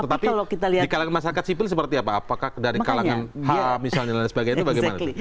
tapi kalau kita lihat di kalangan masyarakat sipil seperti apa apakah dari kalangan h misalnya dan sebagainya itu bagaimana